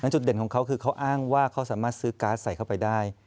จุดเด่นของเขาคือเขาอ้างว่าเขาสามารถซื้อการ์ดใส่เข้าไปได้